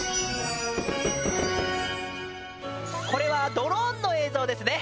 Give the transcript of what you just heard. これはドローンの映像ですね